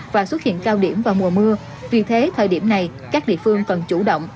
và xuất hiện cao điểm và mùa mưa vì thế thời điểm này các địa phương cần chủ động